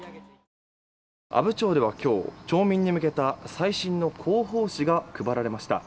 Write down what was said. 阿武町では今日町民に向けた最新の広報誌が配られました。